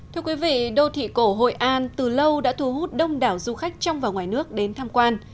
thưa quý vị đô thị cổ hội an từ lâu đã thu hút đông đảo du khách trong và ngoài nước đến tham quan